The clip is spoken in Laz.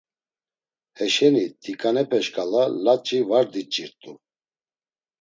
Heşeni t̆iǩanepe şǩala laç̌i var diç̌irt̆u.